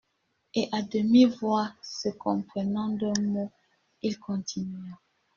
Et, à demi-voix, se comprenant d'un mot, ils continuèrent.